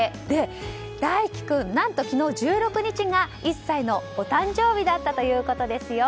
で、大暉君、何と昨日１６日が１歳のお誕生日だったということです。